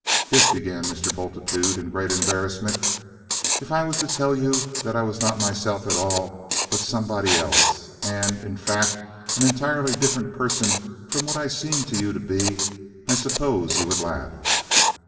"If," began Mr. Bultitude in great embarrassment, "if I was to tell you that I was not myself at all but somebody else, a in fact, an entirely different person from what I seem to you to be I suppose you would laugh?"